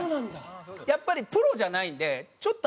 やっぱりプロじゃないんでちょっと